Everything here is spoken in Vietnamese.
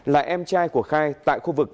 là em trai của khai tại khu vực